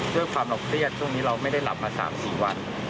ด้วยความเราเครียดช่วงนี้เราไม่ได้หลับมา๓๔วัน